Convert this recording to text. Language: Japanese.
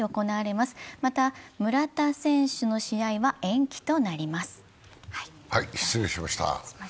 また村田選手の試合は延期となります。